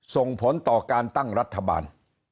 ส่งผลต่อการตั้งรัฐบาล